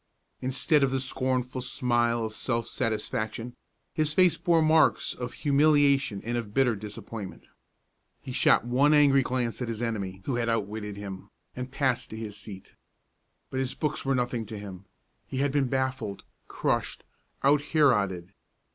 Instead of the scornful smile of self satisfaction, his face bore marks of humiliation and of bitter disappointment. He shot one angry glance at the enemy who had outwitted him, and passed to his seat. But his books were nothing to him; he had been baffled, crushed, out Heroded.